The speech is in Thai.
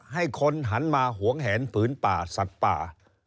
ให้คนหันมาหวงแหนผืนป่าสัตว์ป่า